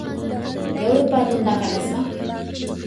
ياۋروپادا ئۇنداق ئەمەسما؟